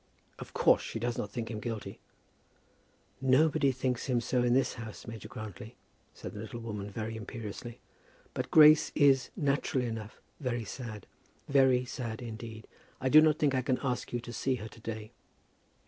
"Of course she does not think him guilty." "Nobody thinks him so in this house, Major Grantly," said the little woman, very imperiously. "But Grace is, naturally enough, very sad; very sad indeed. I do not think I can ask you to see her to day."